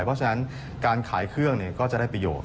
เพราะฉะนั้นการขายเครื่องก็จะได้ประโยชน